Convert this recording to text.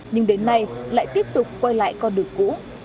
nhưng đến nay lại tiếp tục quay lại con đường cũ